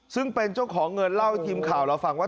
ซึ่งเป็นเจ้าของเงินเล่าให้ทีมข่าวเราฟังว่า